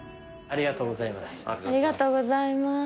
ありがとうございます。